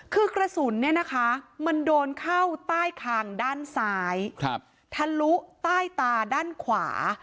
คือกระสุนเนี่ยนะคะมันโดนเข้าใต้คางด้านซ้ายทะลุใต้ตาด้านขวา